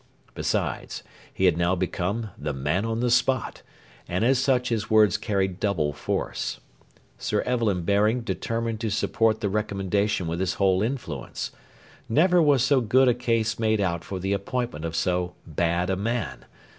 Besides, he had now become 'the man on the spot,' and as such his words carried double force. Sir Evelyn Baring determined to support the recommendation with his whole influence. Never was so good a case made out for the appointment of so bad a man.